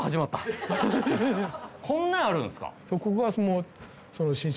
こんなあるんすか？